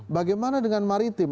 bagaimana dengan maritim